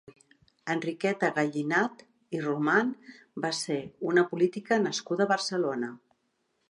Enriqueta Gallinat i Roman va ser una política nascuda a Barcelona.